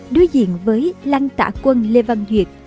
đối diện với lăng tạ quân lê văn duyệt